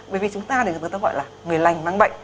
bởi vì chúng ta để người ta gọi là người lành mang bệnh